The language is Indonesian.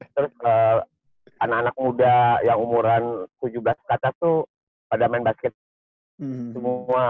terus anak anak muda yang umuran tujuh belas ke atas tuh pada main basket semua